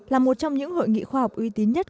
là một trong những hội nghị khoa học uy tín nhất